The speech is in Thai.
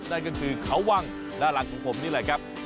นั่นก็คือเขาวังด้านหลังของผมนี่แหละครับ